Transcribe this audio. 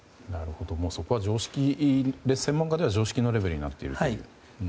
そこは専門家では常識のレベルになっていると。